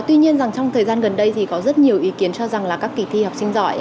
tuy nhiên rằng trong thời gian gần đây thì có rất nhiều ý kiến cho rằng là các kỳ thi học sinh giỏi